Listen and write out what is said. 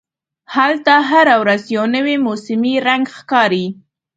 هلته هره ورځ یو نوی موسمي رنګ ښکاري.